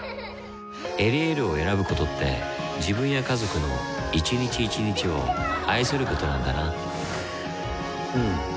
「エリエール」を選ぶことって自分や家族の一日一日を愛することなんだなうん。